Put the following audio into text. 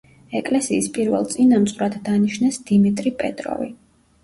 ეკლესიის პირველ წინამძღვრად დანიშნეს დიმიტრი პეტროვი.